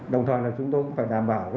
đồng thời là chúng tôi cũng phải đảm bảo